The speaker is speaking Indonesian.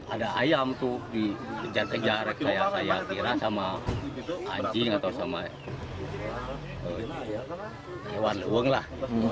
ada ayam itu dikejar kejar saya kira sama anjing atau sama hewan leweng lah